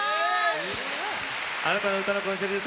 あなたの歌のコンシェルジュ谷原章介です。